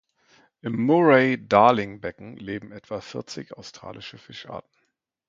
Im Murray-Darling-Becken leben etwa vierzig australische Fischarten.